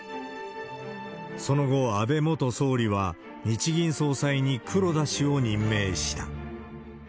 その後、安倍元総理は日銀総裁に黒田氏を任命した。